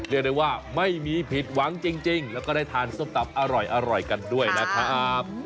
เรียกได้ว่าไม่มีผิดหวังจริงแล้วก็ได้ทานส้มตำอร่อยกันด้วยนะครับ